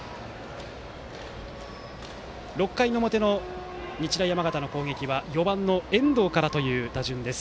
６回の表の日大山形の攻撃は４番の遠藤からという打順です。